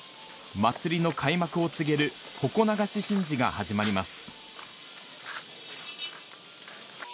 祭りの開幕を告げる鉾流し神事が始まります。